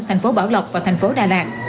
thành phố bảo lộc và thành phố đà lạt